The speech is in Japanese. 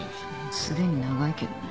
すでに長いけどね。